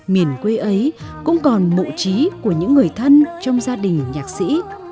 miền quê ấy cũng còn mộ trí của những người thân trong gia đình nhạc sĩ